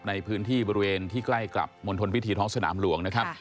ในพื้นที่บริเวณที่ใกล้กับมณฑลพิธีท้องสนามหลวงนะครับ